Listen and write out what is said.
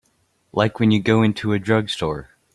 Like when you go into a drugstore.